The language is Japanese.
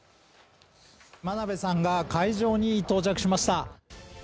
真鍋さんが会場に到着しました。